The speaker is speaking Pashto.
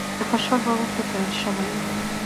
چې خوشحال بابا پرې تړل شوی و